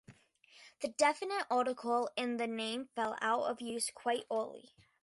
The definite article in the name fell out of use quite early.